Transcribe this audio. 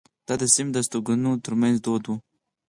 دا د سیمې د استوګنو ترمنځ دود وو.